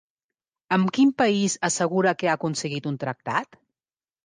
Amb quin país assegura que ha aconseguit un tractat?